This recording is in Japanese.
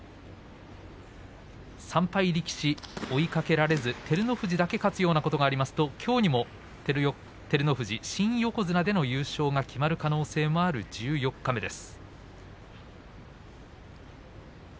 ３敗力士、追いかけられず照ノ富士だけ勝つようなことがあればきょうにも照ノ富士新横綱での優勝が決まる可能性もある十四日目です。